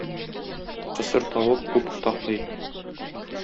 Кысыр тавык күп кытаклый.